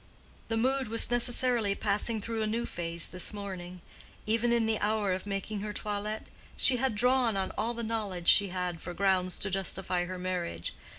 The mood was necessarily passing through a new phase this morning. Even in the hour of making her toilet, she had drawn on all the knowledge she had for grounds to justify her marriage.